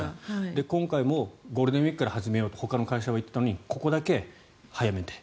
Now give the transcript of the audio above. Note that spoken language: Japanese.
今回もゴールデンウィークから始めようってほかの会社は言っていたのにここだけ早めて。